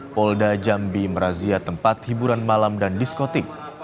polda jambi merazia tempat hiburan malam dan diskotik